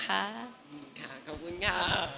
ขอบคุณค่ะขอบคุณค่ะ